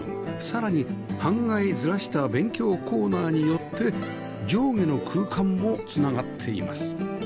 さらに半階ずらした勉強コーナーによって上下の空間も繋がっています